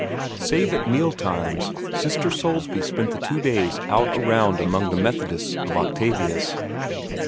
Save at meal times, Sister Soulsby spent the two days out around among the Methodists of Octavius.